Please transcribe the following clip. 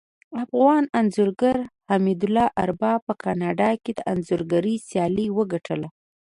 افغان انځورګر حمدالله ارباب په کاناډا کې د انځورګرۍ سیالي وګټله